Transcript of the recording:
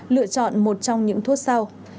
lựa chọn một trong những thuốc sau